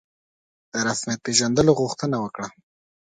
د رسمیت پېژندلو غوښتنه وکړه.